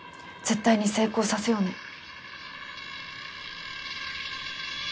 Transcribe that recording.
絶対に成功させようね。